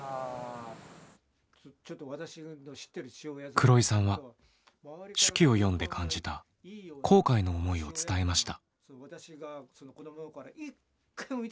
黒井さんは手記を読んで感じた後悔の思いを伝えました。